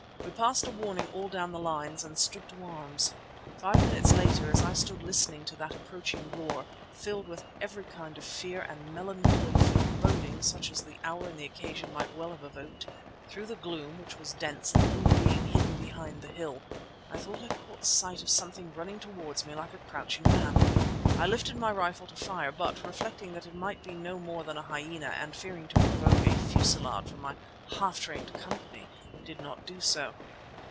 We passed a warning all down the lines and stood to arms. Five minutes later, as I stood listening to that approaching roar, filled with every kind of fear and melancholy foreboding such as the hour and the occasion might well have evoked, through the gloom, which was dense, the moon being hidden behind the hill, I thought I caught sight of something running towards me like a crouching man. I lifted my rifle to fire but, reflecting that it might be no more than a hyena and fearing to provoke a fusilade from my half trained company, did not do so.